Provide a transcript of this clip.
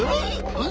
うん？